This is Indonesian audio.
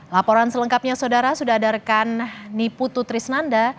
laporan selengkapnya saudara sudah adarkan niputu trisnanda